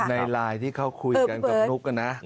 ในไลน์ที่เขาคุยกันกับนุ๊กนะ